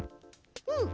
うん。